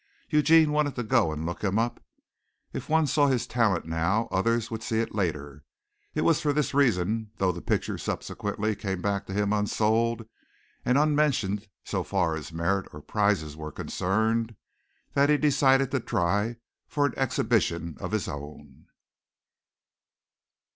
Eugene wanted to go and look him up. If one saw his talent now, others would see it later. It was for this reason though the picture subsequently came back to him unsold, and unmentioned so far as merit or prizes were concerned that he decided to try for an exhibition of his own.